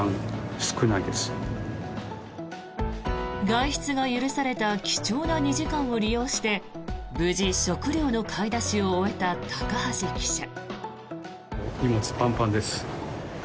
外出が許された貴重な２時間を利用して無事、食料の買い出しを終えた高橋記者。